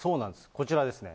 こちらですね。